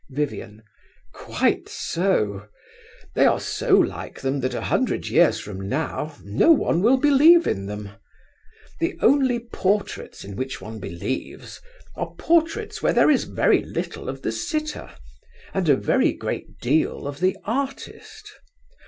VIVIAN. Quite so. They are so like them that a hundred years from now no one will believe in them. The only portraits in which one believes are portraits where there is very little of the sitter, and a very great deal of the artist.